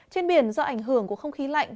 trên biển do ảnh hưởng của không khí lạnh